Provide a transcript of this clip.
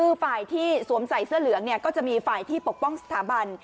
คือฝ่ายที่สวมใส่เสื้อเหลืองเนี่ยก็จะมีฝ่ายที่ปกป้องสถาบัน